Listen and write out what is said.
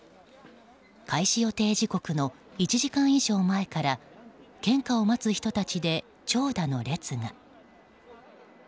開始予定時刻の１時間以上前から献花を待つ人たちで長蛇の列が。